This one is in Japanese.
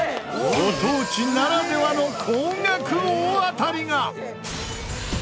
ご当地ならではの高額大当たりが！